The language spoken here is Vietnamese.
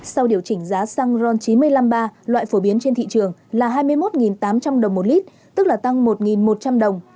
sau điều chỉnh giá xăng ron chín trăm năm mươi ba loại phổ biến trên thị trường là hai mươi một tám trăm linh đồng một lít tức là tăng một một trăm linh đồng